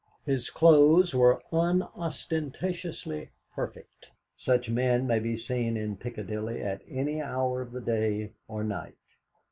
His clothes were unostentatiously perfect. Such men may be seen in Piccadilly at any hour of the day or night.